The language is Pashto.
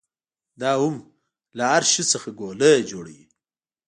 دا هم له هر شي څخه ګولۍ جوړوي.